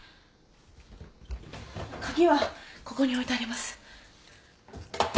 鍵はここに置いてあります。